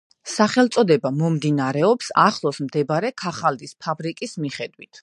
სახელწოდება მომდინარეობს ახლოს მდებარე ქაღალდის ფაბრიკის მიხედვით.